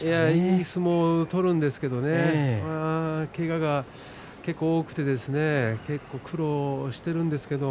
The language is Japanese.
いい相撲を取るんですけどねけがが結構多くて苦労しています。